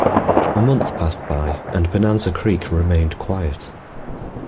A month passed by, and Bonanza Creek remained quiet.